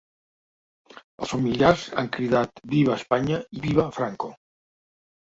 Els familiars han cridat viva Espanya i viva Franco.